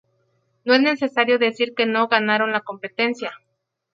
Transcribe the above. No es necesario decir que no ganaron la competencia.